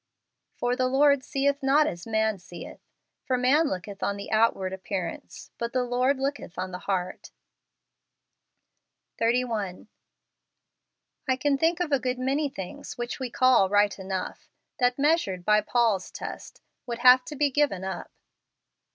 " For the Lord seeth not as man seeth; for man looketh on the outward appearance , but the Lord looketh on the heart " 31. I can think of a good many things which we call right enough, that, measured by Paul's test, would have to be given up.